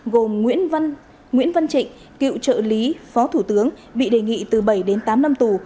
gồm nguyễn văn trịnh cựu trợ lý phó thủ tướng bị đề nghị từ bảy đến tám năm tù